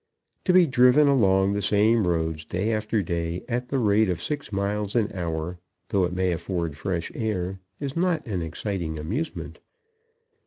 To be driven along the same roads, day after day, at the rate of six miles an hour, though it may afford fresh air, is not an exciting amusement.